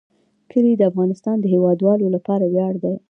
کلي د افغانستان د هیوادوالو لپاره ویاړ دی.